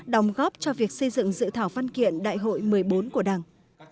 đóng góp cho việc xây dựng dự thảo văn kiện đại hội một mươi bốn của đảng